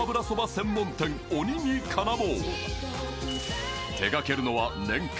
専門店、鬼に金棒。